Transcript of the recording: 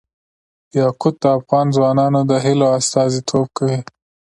یاقوت د افغان ځوانانو د هیلو استازیتوب کوي.